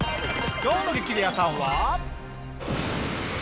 今日の『激レアさん』は。